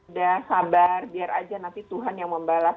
udah sabar biar aja nanti tuhan yang membalas